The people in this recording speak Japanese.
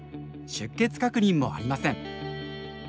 出欠確認もありません。